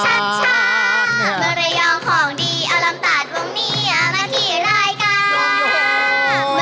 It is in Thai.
ชันชันไรยองของดีอลัมตาลวงเนี่ยมาที่รายการ